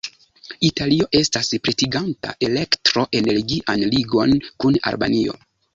Italio estas pretiganta elektro-energian ligon kun Albanio.